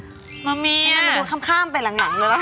มาเมียเป็นอะไรมันก็ค่ำข้ามไปหลังเลยหรอ